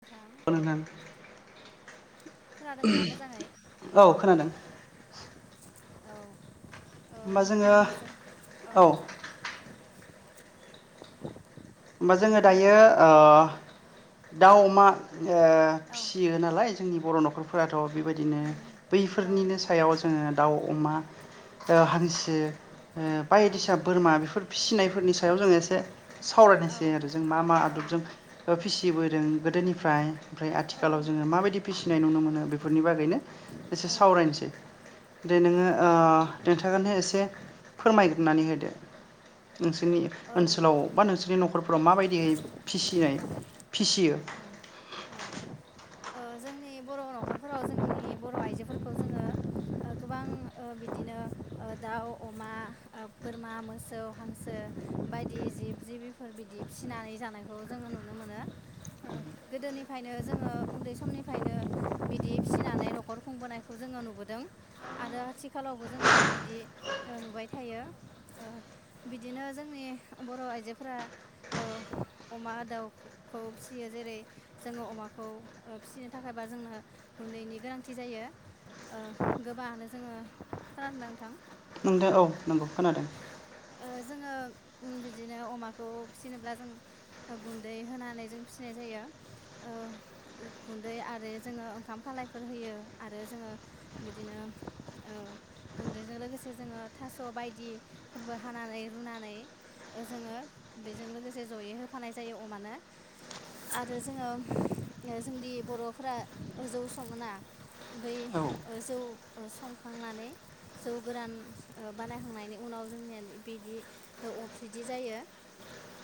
नोंथां अ' नोंथां। खोनादोंना मोजाङै औ खोनादों। औ। ओ होमबा जोङो नोंथांजो औ होमबा दे जोङो बुंलाय दायो ओ दाउ अमा ओ औ फिसियो नालाय जोंनि बर' न'खरफ्रा थ' बेबायदिनो उम औ बैफोरनिनो सायाव जोङो दाउ अमा ओ हानसो ओ औ बायदिसा बोरमा बिफोर फिसिनायफोरनि सायाव जोङो एसे सा औ नोसै आरो जों मा मा औ आदबजों ओ फिसिबोदों। उम गोदोनिफ्राय ओमफ्राय आथिखालाव जोङो माबायदि फिसिनाय नुनो मोनो बेफोरनि बागैनो एसे औ सावरायनोसै। आरो नोङो ओ नोंथांङानो एसे फोरमायगोरनानै होदो नोंसोरनि औ ओनसोलाव बा नोंसोरनि न'खरफोराव माबायदियै फिसिनाय फिसियो औ ओ जोंनि बर' न'खरफोराव जोंनि बर' आइजोफोरखौ जोङो ओ गोबां ओ बिदिनो ओ दाउ अमा ओ बोरमा मोसौ हांसो बायदि जिब जिबिफोर बिदि फिसिनानै जानायखौ जोङो नुनो मोनो ओ गोदोनिफायनो जोङो उन्दै समनिफायनो बिदि फिसिनानै न'खर खुंबोनायखौ जोङो नुबोदों आरो आथिखालावबो जोङो बिदि ओ नुबाय थायो ओ बिदिनो जों जोंनि बर' आइजोफोरा ओ अमा दाउखौ फिसियो जेरै जोङो अमाखौ ओ फिसिनो थाखायबा जोंनो गुन्दैनि गोनांथि जायो ओ गोबाङानो जोङो खोनादोंना नोंथां नोंथा औ नोंगौ खोनादों ओ जोङो उम बिदिनो अमाखौ फिसिनोब्ला जों ओ गुन्दै होनानै जों फिसिनाय जायो ओ गुन्दै आरो जोङो ओंखाम खालायफोर होयो आरो जोङो बिदिनो ओ गुन्दैजों लोगोसे जोङो थास बायदिफोरबो हानानै रुनानै ओ जोङो बेजों लोगोसे जयै होफानाय जायो अमानो आरो जोङो ओ जोंदि बर'फोरा ओ जौ सङोना बै औ ओ जौ संखांनानै जौ गोरान ओ बानायखांनायनि उनाव जोंनियादि बिदि ओ अफ्रिदि जायो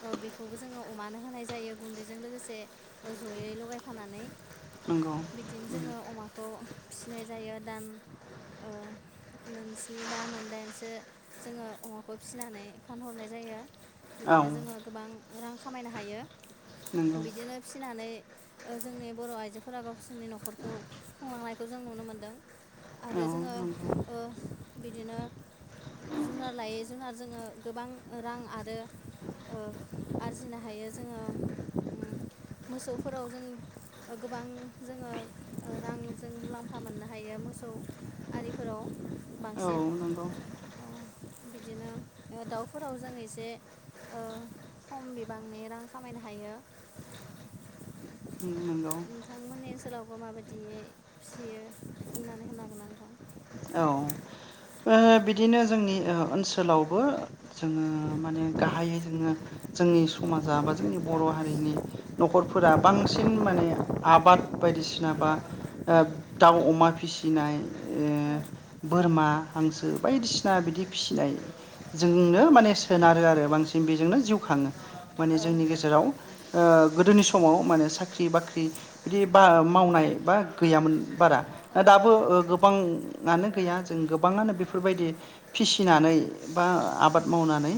ओ बिखौबो जोङो अमानो होनाय जायो गुन्दैजों लोगोसे ओ जयै लगायफानानै नंगौ बिदिनो जोङो अमाखौ फिसिनाय जायो दान ओ मोनस्नि बा मोनदाइनसो जोङो अमाखौ फिसिनानै फानहरनाय जायो औ बिदिनो जोङो गोबां रां खामायनो हायो नंगौ बिदिनो फिसिनानै ओ जोंनि बर' आइजोफोरा गावसोरनि न'खरखौ खुंलांनायखौ जों नुनो मोनदों आरो औ जोङो नंगौ ओ बिदिनो जुनार लायै जुनार जोङो गोब औ नोंगौ बिदिनो ओ दाउफोराव जों एसे ओ खम बिबांनि रां खामायनो हायो उम नोंगौ सोलावबो माबायदियै फिसियो बुंनानै होनो हागोनना नोंथां औ ओ बिदिनो जोंनि ओ ओनसोलावबो जोङो माने गाहायै जोङो जोंनि समाजा बा जोंनि बर' हारिनि न'खरफोरा बांसिन माने आबाद बायदिसिना बा ओ दाउ अमा फिसिनाय ओ औ बोरमा हांसो बायदिसिना बिदि फिसिनाय औ जोंनो माने सोनारो आरो बांसि जों बेजोंनो जिउ खाङो माने औ जोंनि गेजेराव ओ गोदोनि समाव माने साख्रि बाख्रि बिदि बा मावनाय बा गैयामोन बारा ओ औ दाबो ओ‌ गोब बां नानो गैया जों गोबाङानो बेफोरबायदि फिसिनानै बा आबाद मावनानै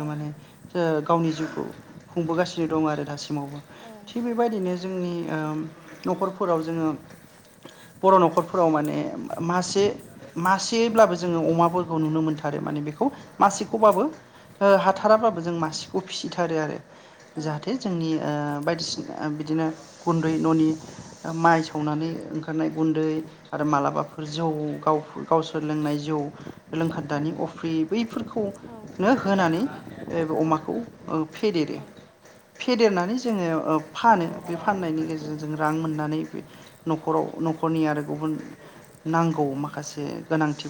औ माने जोग गावनि जिउखौ खुंबोगासिनो दं आरो दासिम मावबो औ थिग बेबायदिनो जोंनि ओम न'खरफोराव जोङो बर' न'खरफोराव माने मासे मासेब्लाबो जोङो अमाफोरखौ नुनो मोनथारो माने बेखौ मासेखौबाबो ओ हाथाराब्लाबो जों मासेखौ फिसिथारो आरो। औ जाहाथे जोंनि ओ बायदिसिन ओ बिदिनो गुन्दै न'नि ओ माइ सावनानै ओंखारनाय गुन्दै आरो मालाबा फोर जौ गावफ गावसोर लोंनाय जौ औ लोंखान्दानि अफ्रि बैफोरखौनो होनानै ओ अमाखौ ओ फेदेरो फेदेरनानै जोंङो ओ फानो बे फाननायनि गेजेरजों जों रां मोननानै बे न'खराव न'खरनि आरो गुबुन नांगौ माखासे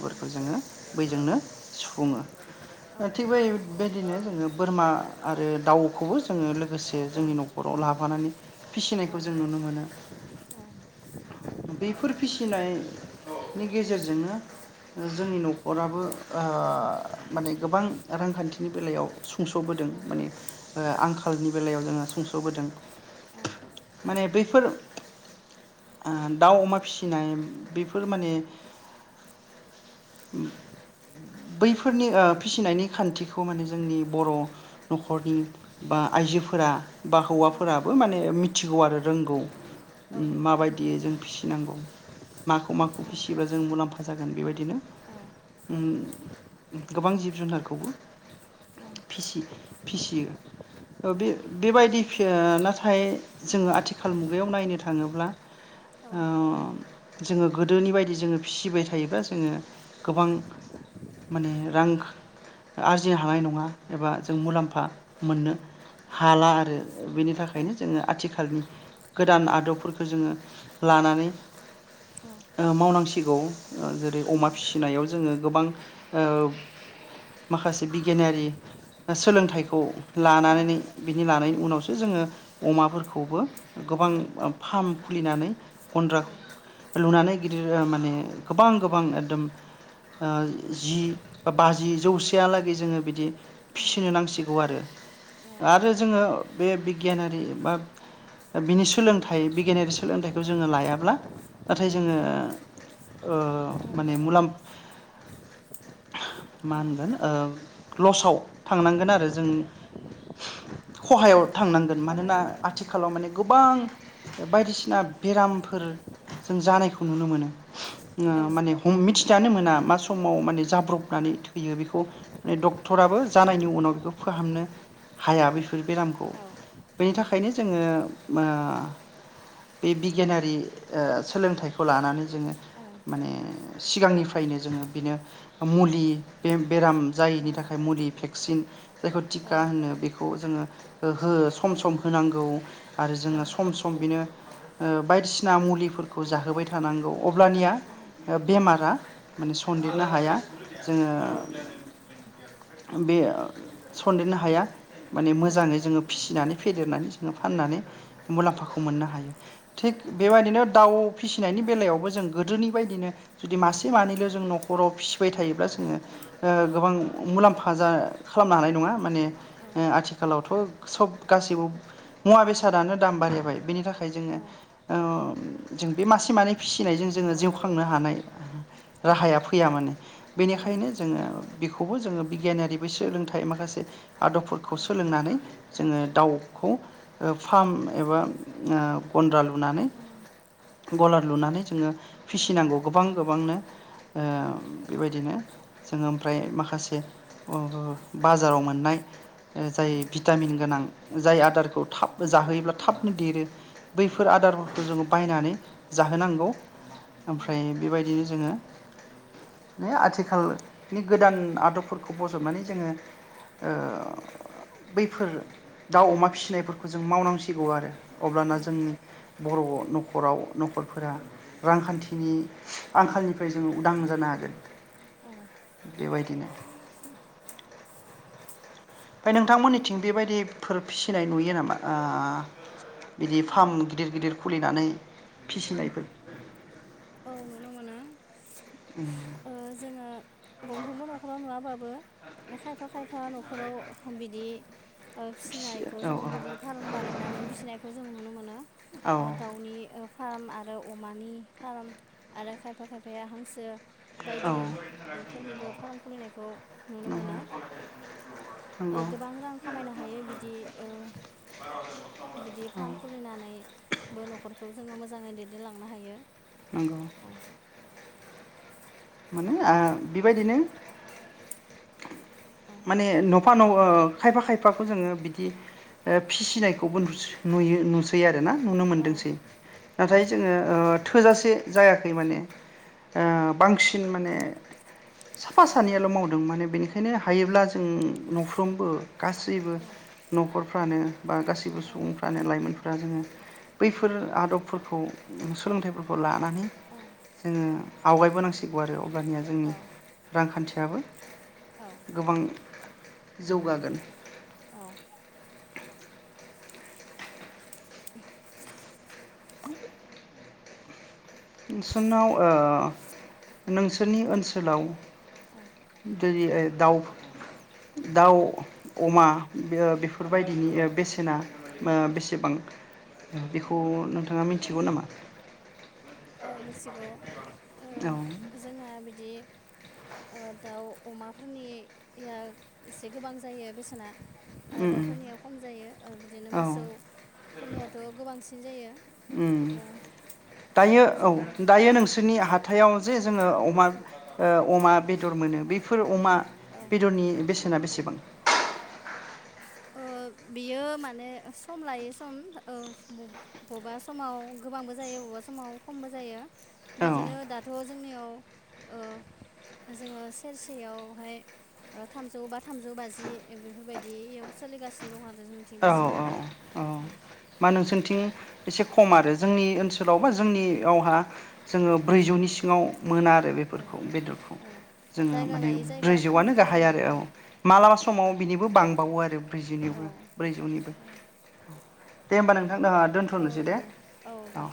औ जोङो बैजोंनो सुफुङो। औ ओ थिबाय बेबादिनो जोङो बोरमा आरो दाउखौबो जोङो लो गोसे जोंनि न'खराव ला फानानै फिसिनायखौ जों नुनो मोनो। बे‌ फोर फिसिनाय नि गेजेरजोंनो ओ जोंनि न'खराबो ओ माने गोबां रांखान्थिनि बेलायाव स सुंस'बोदों माने ओ आं खालनि बेलायाव जोङो सुंस'बोदों माने बैफोर ओ दाउ अमा फिसिनाय बे फोर माने उम बैफोरनि ओ फिसिनायनि खान्थिखौ माने जोंनि बर' न'खरनि बा आइजोफोरा बा हौवाफोराबो माने मि थिगौ आरो रोंगौ। औ उम नंगौ माबायदियै जों फिसिनांगौ मा खौ औ फिसियोब्ला जों मुलाम्फा जागोन बेबायदिनो औ उम गोबां जिब जुनारखौबो औ फिसि फिसियो। ओ बे बेबायदि थिया नाथाय जोङो आथिखाल मुगायाव नायनो थाङोब्ला‌ ओ जोङो गोदोनि बायदि जोङो फिसिबाय थायोब्ला जोङो गोबां माने रां आरजिनो हानाय नङा एबा जों मुलाम्फा मोननो हाला आरो बेनि थाखायनो जोङो आथिखालनि गोदान आदबफोरखौ जोङो लानानै ओ मावनांसि गौ। ओ जेरै अमा औ फिसिनायाव जोङो गोबां ओ माखासे बिगियानारि सोलोंथाइखौ औ लानानैनि बिनि औ लानायनि औ उनावसो जोङो अमाफोरखौबो औ गोबां ओ फार्म खुलिनानै गन्द्रा औ। लुनानै गिदिर माने गोबां गोबां एकदम ओ जि बा बाजि जौसेयालागै जोङो बिदि औ फिसिनो नांसिगौ आरो ओ आरो जोङो बे बिगियानारि बा बिनि सोलोंथाइ बिगियानारि सोलोंथाइखौ जोङो लायाब्ला नाथाय जोङो ओ माने मुलाम्फ औ मा होनगोन ओ लसाव थांनांगोन आरो जों औ खहायाव थांनांगोन खहा मानोना जायो आथिखालाव माने गोबां बायदिसिना बेरामफोर जों जानायखौ नुनो मोनो। औ हम मिथि जानो मोना मा समाव माने औ जाब्रबनानै थैयो बेखौ माने डक्टराबो जानायनि उनाव बेखौ फाहामनो हाया बे फोर बेरामखौ औ बेनि थाखायनो जोङो ओ बे बिगियानारि ओ सोलोंथाइखौ लानानै जोङो औ माने सिगांनिफ्रायनो जोङो बिनो मुलि बेम-बेराम औ जायिनि औ थाखाय मुलि भे कसिन जायखौ टिका होनो बेखौ खौ जोंङो ओ हो सम सम होनांगौ आरो जोङो सम सम बिनो ओ बायदिसि ना‌ मुलिफोरखौ जाहोबाय थानांगौ अब्लानिया ओ बेमारा माने सन्देरनो हाया। जोङो बेओ सन्देरनो हाया माने मोजाङै जोङो फिसिनानै फेदेरनानै जोङो फाननानै मुलाम्फाखौ मोननो हायो थिग बेबायदिनो दाउ फिसिनायनि बेलायावबो जों गोदोनि बायदिनो जुदि मासे मानैल' जों न'खराव फिसिबाय थायोब्ला जोङो ओ गोबां मुलाम्फा जा खालामनो हानाय नङा माने ओ आथिखालावथ' सब गासैबो मुवा बेसादानो दाम बारायबाय बेनि थाख थाखाय औ जोङो ओ जों बे मासे मानै फिसिनायजों जोङो जिउ खांनो हानाय राहाया फैया मानो बेनिखायनो जोङो बेखौबो जोङो बिगियानारिबो सोलोंथाइ माखासे आदबफोरखौ सोलोंनानै जोङो दाउखौ फार्म एबा गन्द्रालु नानै गलार लुनानै जोङो फिसिनांगौ गोबां गोबांनो ओ बेबायदिनो जोङो ओमफ्राय माखासे बाजाराव मोननाय जाय भिटामिन गोनां जाय आदारखौ थाब जाहोयोब्ला थाबनो देरो। बेफोर आदारफोरखौ जोङो बायनानै जाहोनांगौ ओमफ्राय बेबायदिनो जोङो बेआथिखालनि गोदान आदबफोरखौ बजबनानै जोङो ओ बैफोर दाउ अमा फिसिनायफोरखौ जों मावनांसिगौ आरो। अब्लाना जोंनि बर' न'खराव नखरफोरा रांखान्थिनि आंखालनिफ्राय जोङो उदां जानो हागोन औ बेबायदिनो ओमफ्राय नोंथांमोननिथिं बेबायदिफोर फिसिनाय नुयो नामा? ओ बिदि फार्म गिदिर गिदिर खुलिनानै औ फिसिनायफोर औ नुनो मोनो। ओ जोङो गंफ्रोमबो न'खराव नुवाबाबो खायफा खायफा फा न'खराव बिदि ओ फिसिनायखौ औ जों बिदि फार्म बानायनानै फिसिनायखौ जों नुनो मोनो औ ओ दाउनि फार्म आरो अमानि फार्म आरो खायफा खायफाया हांसो। औ बायदि फोरनिबो फार्म खुलिनायखौ नुनो नंगौ मोनो नंगौ गोबां ओ रां खामायनो हायो बिदि ओ बिदि नांबाय औ फार्म खुलिनानैबो न'खरखौ मोजाङै दैदेनलांनो हायो। नंगौ औ माने ओ बेबायदिनो औ माने न'फा न' खायफा खायफाखौ जोङो बिदि ओ औ फिसिनायखौबो नुसो नुयो नुसै आरो ना। नुनो औ मोनदोंसै औ नाथाय जोङो थोजासे। जायाखै माने ओ बांसिन माने साफा सानैयाल' मावदों माने बेनिखायनो हायोब्ला जों न'फ्रोमबो। गासैबो औ न'खर फ्रानो बा गासिबो औ सुबुंफ्रानो लाइमोनफ्रा जोङो बैफोर आदबफोरखौ सोलोंथाइफोरखौ लानानै औ जोङो आवगायबोनांसिगौ आरो। अब्लानिया औ जोंनि रांखान्थि फ्राबो औ गोबां जौगागोन। औ [inaudible] नोंसोरनाव नोंसोरनि ओनसोलाव औ जेरै दाउ दाउ अमा बेफोरबायदिनि बेसेना बेसेबां बेखौ नोंथाङा मिथिगौ नामा? औ मिथिगौ। ओ औ जोंना बिदि दाउ अमाफोरनिया एसे गोबां जायो बेसेना आरो उम उम दाउफोरनिया खम जायो बिदिनो औ मोसौफोरनियाथ' गोबांसिन बिदिनो जायो। उम ओ दायो। औ जोङो दायो औ नोंसोरनि हाथायाव जे। जोङो अमा अमा बेदर मोनो बेफोर अमा। औ बेदरनि बेसे सेना बेसेबां। बियो माने सम लायो सम बबेबा समाव गोबांबो जायो बबेबा समाव खमबो जायो। औ बिदिनो दाथ'। जोंनियाव जोङो सेरसेयावहाय थामजौ बा थामजौ बाजि बेफोरबायदियाव। सोलिगासिनो दं आरो। जोंनिथिं औ बेसेना औ औ मा नोंसोरनिथिं। एसे खम आरो औ जोंनि ओनसोलाव बा औ जोंनियावहा। जोङो ब्रैजौनि सिङाल मोना आरो औ बेफोरखौ बेदरखौ औ जोङो जायगा माने लायै जायगा खम ब्रैजौआनो बुरजा गाहाय जायो आरो औ मालाबा समाव बिनिबो बांबावो आरो औ ब्रैजौनिबो ब्रैजौनिबो औ दे होमबा नोंथां। नोंथां दा दोनथ'नोसै दे औ।